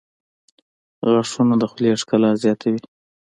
• غاښونه د خولې ښکلا زیاتوي.